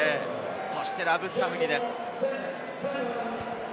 そしてラブスカフニです。